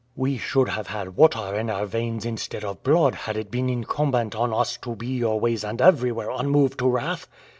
We should have had water in our veins instead of blood had it been incumbent on us to be always and everywhere unmoved to wrath."